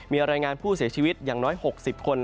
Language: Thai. มีรายงานผู้เสียชีวิตอย่างน้อย๖๐คน